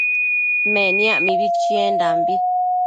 Meniac mibi chiendambi